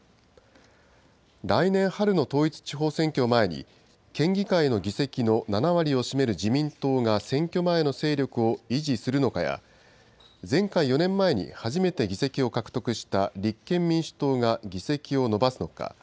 来年春の統一地方選挙を前に、県議会の議席の７割を占める自民党が選挙前の勢力を維持するのかや、前回・４年前に初めて議席を獲得した立憲民主党が議席を伸ばすのか。